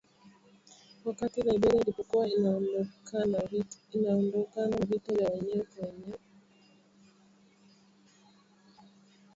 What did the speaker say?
wakati Liberia ilipokuwa inaondokana na vita vya wenyewe kwa wenyewe